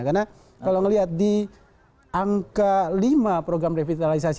karena kalau melihat di angka lima program revitalisasi